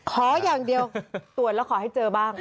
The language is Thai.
ขออย่างเดียวตรวจแล้วขอให้เจอบ้าง